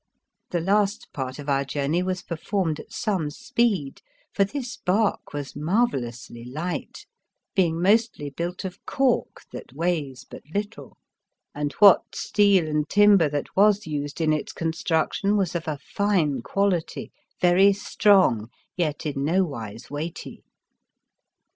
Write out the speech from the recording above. The last part of our journey was performed at some speed, for this barque was marvellously light, being mostly built of cork that weighs but little ; and what steel and timber that 105 The Fearsome Island was used in its construction was of a fine quality, very strong, yet in nowise weighty.